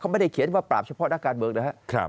ไม่ได้เขียนว่าปราบเฉพาะนักการเมืองนะครับ